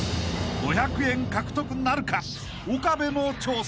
［５００円獲得なるか？］